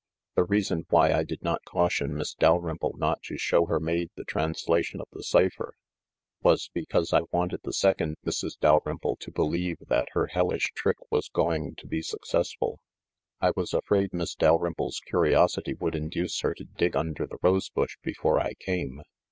"The rea son why I did not caution Miss Dalrymple not to show her maid the translation of the cipher was because I wanted the second Mrs. Dalrymple to believe that her hellish trick was going to be successful. I was afraid Miss Dalrymple's curiosity would induce her to dig under the rose bush before I came.